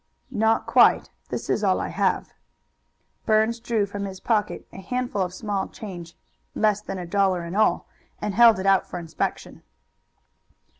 "Not quite. This is all I have." Burns drew from his pocket a handful of small change less than a dollar in all and held it out for inspection.